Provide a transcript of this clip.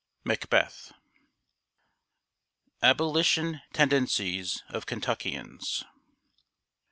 MACBETH. [Sidenote: ABOLITION TENDENCIES OF KENTUCKIANS.